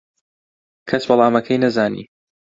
کەس وەڵامەکەی نەزانی.